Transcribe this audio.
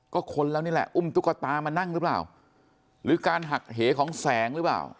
ก็คนแล้วนี่แหละอุ้มตุ๊กตามานั่งหรือเปล่าหรือการหักเหของแสงหรือเปล่า